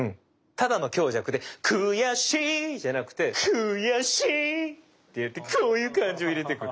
ただの強弱でくやしいじゃなくてくぅやしいって言ってこういう感じを入れてくる。